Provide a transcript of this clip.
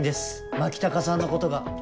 牧高さんのことが。